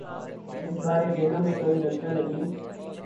اس بارے ذہنوں میں کوئی نقشہ نہیں۔